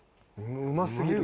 うますぎる。